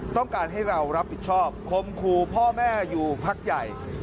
ต้องการให้เรารับผิดชอบคมครูพ่อแม่อยู่พักใหญ่